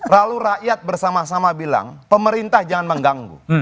lalu rakyat bersama sama bilang pemerintah jangan mengganggu